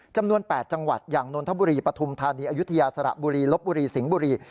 จำนวน๘จังหวัดอย่างนนทบุรีปฐุมธานีอายุทยาสระบุรีลบบุรีสิงห์บุรี